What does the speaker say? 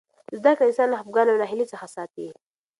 زده کړه انسان له خفګان او ناهیلۍ څخه ساتي.